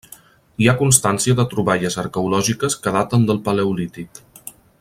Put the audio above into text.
Hi ha constància de troballes arqueològiques que daten del Paleolític.